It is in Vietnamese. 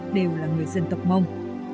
đều là người dân tộc mông